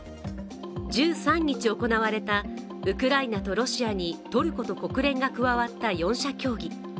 １３日行われたウクライナとロシアにトルコと国連が加わった４者協議。